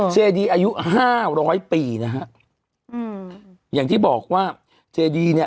เจดีอายุ๕๐๐ปีนะฮะอย่างที่บอกว่าเจดีเนี่ย